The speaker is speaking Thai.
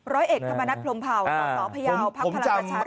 ร้อยเอกธรรมนักพรมเผาของหนอพระยาวภาคพระราชชารักษ์